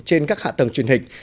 trên các hạ tầng truyền hình